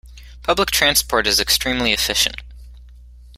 Public transport is extremely efficient.